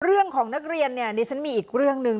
เรื่องของนักเรียนเนี่ยดิฉันมีอีกเรื่องหนึ่ง